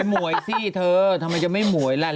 หมวยสิเธอทำไมจะไม่หวยล่ะ